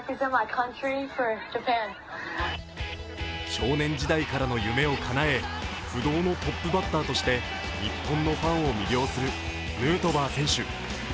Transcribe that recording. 少年時代からの夢をかなえ不動のトップバッターとして、日本のファンを魅了するヌートバー選手。